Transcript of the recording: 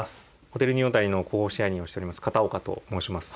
ホテルニューオータニの広報支配人をしております片岡と申します。